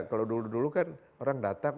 kalau dulu dulu kan orang datang